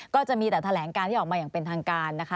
ก็จะมีแต่แถลงการที่ออกมาอย่างเป็นทางการนะคะ